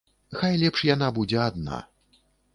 Хай лепш яна будзе адна.